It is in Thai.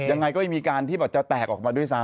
ยังไงก็ไม่มีการที่แบบจะแตกออกมาด้วยซ้ำ